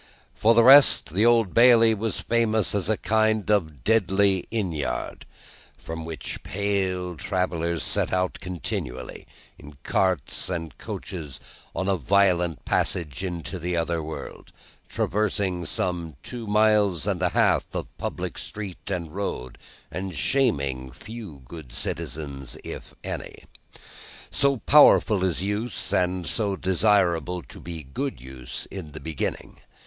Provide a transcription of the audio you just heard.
For the rest, the Old Bailey was famous as a kind of deadly inn yard, from which pale travellers set out continually, in carts and coaches, on a violent passage into the other world: traversing some two miles and a half of public street and road, and shaming few good citizens, if any. So powerful is use, and so desirable to be good use in the beginning.